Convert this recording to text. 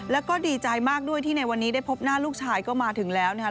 แล้วก็ดีใจมากด้วยที่ในวันนี้ได้พบหน้าลูกชายก็มาถึงแล้วนะครับ